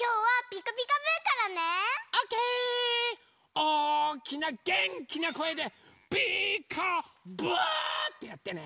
おおきなげんきなこえで「ピーカーブ」ってやってね。